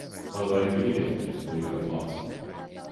Man vajag vīrieti, nevis puiku ar lācīti.